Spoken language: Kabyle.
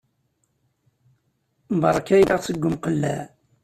Berka-yaɣ seg umqelleɛ.